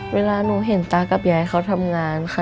เวลาหนูเห็นตากับยายเขาทำงานค่ะ